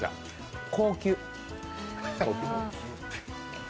高級。